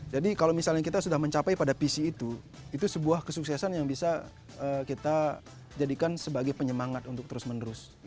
jadi kalau misalnya kita sudah mencapai pada visi itu itu sebuah kesuksesan yang bisa kita jadikan sebagai penyemangat untuk terus menerus